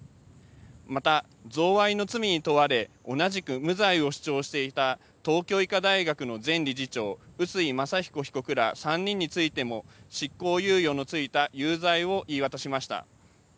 また贈賄の罪に問われ同じく無罪を主張していた東京医科大学の前理事長、臼井正彦被告ら３人についても執行猶予の付いた有罪を言い渡しました。